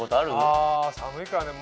あ寒いからね。